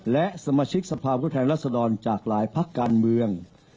และสมาชิกสภาพผู้แทนรัศดรจากหลายพักการเมือง